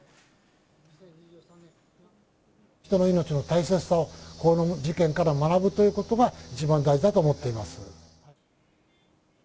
人の命の大切さをこの事件から学ぶということが、一番大事だと思っています。